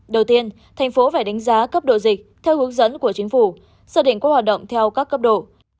đầu tiên thành phố phải đánh giá cấp độ dịch theo hướng dẫn của chính phủ xác định có hoạt động theo các cấp độ